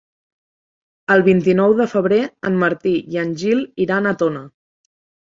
El vint-i-nou de febrer en Martí i en Gil iran a Tona.